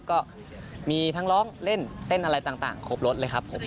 ก็มีทั้งร้องเล่นเต้นอะไรต่างครบรถเลยครับผม